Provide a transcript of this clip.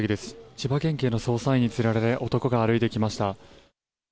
千葉県警の捜査員に連れられ、男が歩いてきました。